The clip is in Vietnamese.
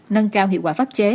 nâng cao hiệu quả pháp chế